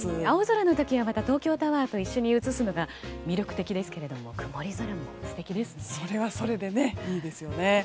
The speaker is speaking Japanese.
青空の時は東京タワーと一緒に映すのが魅力的ですけれど曇り空も素敵ですね。